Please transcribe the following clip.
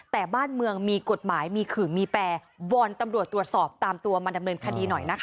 แต่บ้านเมืองมีกฎหมายมีขื่อมีแปรวอนตำรวจตรวจสอบตามตัวมาดำเนินคดีหน่อยนะคะ